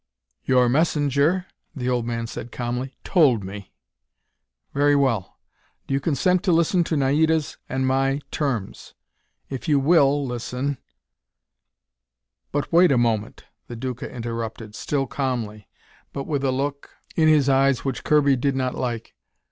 "Your messenger," the old man said calmly, "told me." "Very well. Do you consent to listen to Naida's and my terms? If you will listen " "But wait a moment," the Duca interrupted, still calmly, but with a look in his eyes which Kirby did not like.